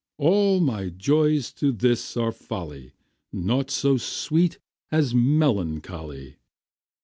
All my joys to this are folly, Naught so sweet as melancholy.